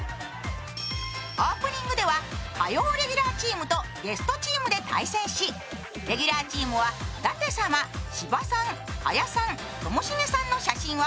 オープニングでは火曜レギュラーチームとゲストチームで対戦し、レギュラーチームは舘様、芝さん、賀屋さん、ともしげさんの写真を。